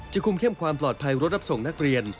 คุมเข้มความปลอดภัยรถรับส่งนักเรียน